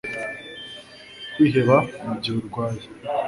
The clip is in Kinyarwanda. Kwiheba mu gihe urwaye